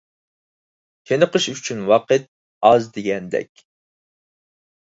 چېنىقىش ئۈچۈن ۋاقىت ئاز دېگەندەك.